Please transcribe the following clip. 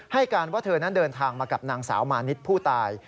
ให้การว่าเธอนั้นเดินทางมากับนางสาวมานิดผู้ตาย